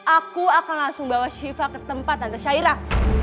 aku akan langsung bawa siva ke tempat tante syairah